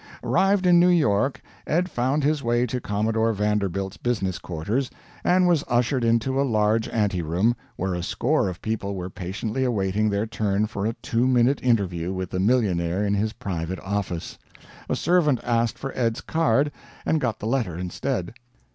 Arrived in New York, Ed found his way to Commodore Vanderbilt's business quarters, and was ushered into a large anteroom, where a score of people were patiently awaiting their turn for a two minute interview with the millionaire in his private office. A servant asked for Ed's card, and got the letter instead.